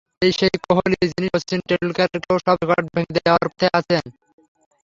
এই সেই কোহলি যিনি শচীন টেন্ডুলকারেরও সব রেকর্ড ভেঙে দেওয়ার পথে আছেন।